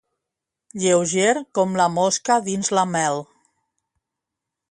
Lleuger com la mosca dins la mel.